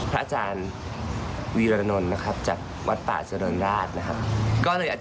อาจารย์วีรนนท์นะครับจากวัดป่าเจริญราชนะครับ